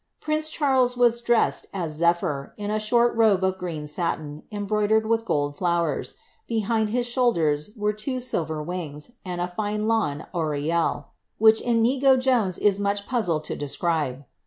Prince Charles was dressed as Zephyr, in a short robe of green satin, embroidered with gold flowers. Behind his shoulders were two silver wings, and a fine lawn aureole^ which Inigo Jones is much puzzled to describe.